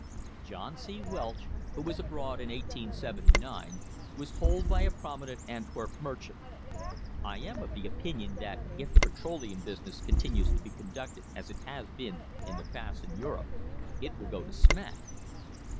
John C. Welch, who was abroad in 1879, was told by a prominent Antwerp merchant: "I am of the opinion that if the petroleum business continues to be conducted as it has been in the past in Europe, it will go to smash."